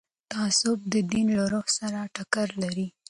تعصب د دین له روح سره ټکر لري